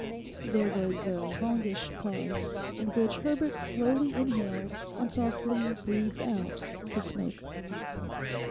There was a longish pause, in which Herbert slowly inhaled and softly breathed out his smoke.